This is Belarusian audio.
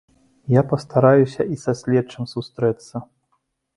Я пастараюся і са следчым сустрэцца.